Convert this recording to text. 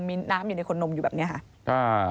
มีน้ำอยู่ในพรนนมอยู่แบบนี้ถ้า